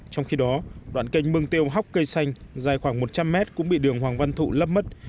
trong khi đó đoạn canh mương tiêu hóc cây xanh dài khoảng một trăm linh mét cũng bị đường hoàng văn thụ lấp mất